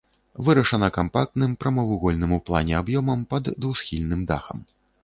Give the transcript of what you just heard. Вырашана кампактным прамавугольным у плане аб'ёмам пад двухсхільным дахам.